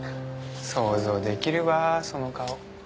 想像できるわその顔。